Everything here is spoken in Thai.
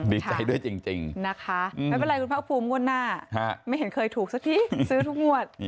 ดีใจด้วยจริงนะคะไม่เป็นไรคุณภาคภูมิงวดหน้าไม่เห็นเคยถูกสักทีซื้อทุกงวด